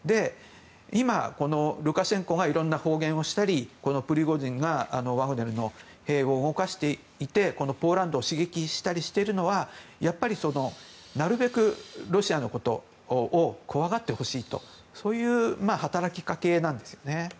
今、ルカシェンコが色んな方言をしたりプリゴジンがワグネルの兵を動かしていてポーランドを刺激したりしているのはなるべくロシアのことを怖がってほしいとそういう働きかけなんですね。